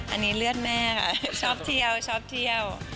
อันนี้เลือดแม่ค่ะชอบเที่ยว